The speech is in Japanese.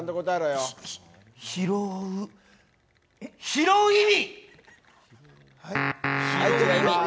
拾う意味！